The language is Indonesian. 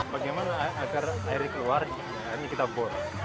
bagaimana agar air keluar ini kita bor